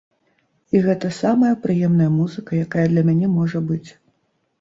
І гэта самая прыемная музыка, якая для мяне можа быць.